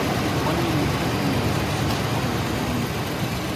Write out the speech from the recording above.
Mining and timber mills have since closed down.